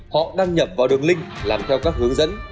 họ đăng nhập vào đường link làm theo các hướng dẫn